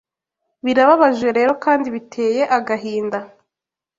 Birababaje rero kandi biteye agahinda